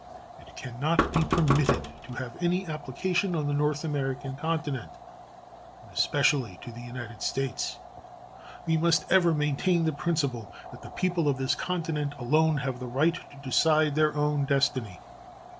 It can not be permitted to have any application on the North American continent, and especially to the United States. We must ever maintain the principle that the people of this continent alone have the right to decide their own destiny.